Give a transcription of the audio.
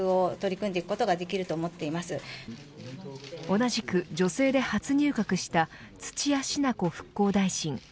同じく女性で初入閣した土屋品子復興大臣。